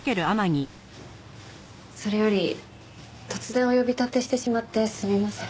それより突然お呼び立てしてしまってすみません。